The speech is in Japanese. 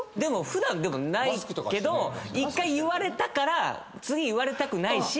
普段でもないけど１回言われたから次言われたくないし。